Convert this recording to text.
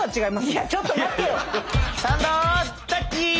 いやちょっと待ってよ。